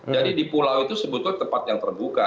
jadi di pulau itu sebetulnya tempat yang terbuka